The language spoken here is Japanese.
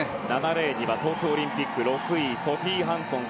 ７レーンには東京オリンピック６位のソフィー・ハンソン